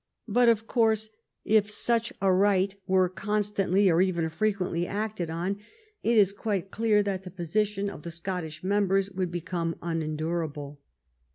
But, of course, if such a right were con 268 FIRST PARLIAMENT OF THE UNION stantly or even frequently acted on it is quite clear that the position of the Scottish members would become un endurable.